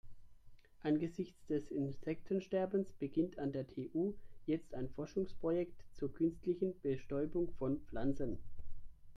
Angesichts des Insektensterbens beginnt an der TU jetzt ein Forschungsprojekt zur künstlichen Bestäubung von Pflanzen.